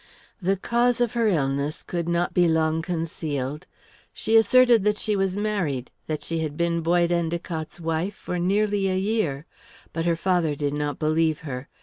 The cause of her illness could not be long concealed; she asserted that she was married, that she had been Boyd Endicott's wife for nearly a year; but her father did not believe her.